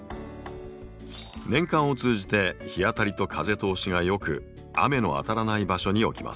年間を通じて日当たりと風通しがよく雨の当たらない場所に置きます。